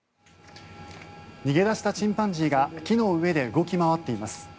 逃げ出したチンパンジーが木の上で動き回っています。